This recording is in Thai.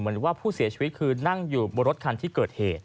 หรือว่าผู้เสียชีวิตคือนั่งอยู่บนรถคันที่เกิดเหตุ